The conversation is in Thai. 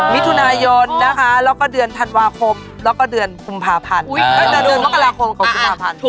มิถุนายนนะคะแล้วก็เดือนธันวาคมแล้วก็เดือนมกราคมของกลุ่มภาพันธ์